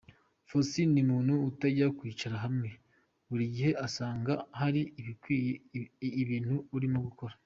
Faustin ni umuntu utajya wicara hamwe buri gihe usanga hari ibintu arimo gukora.